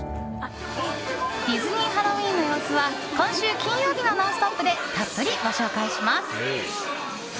ディズニー・ハロウィーンの様子は、今週金曜日の「ノンストップ！」でたっぷりご紹介します！